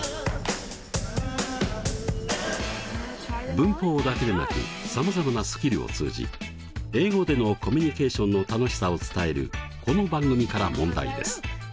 文法だけでなくさまざまなスキルを通じ英語でのコミュニケーションの楽しさを伝えるこの番組から問題です。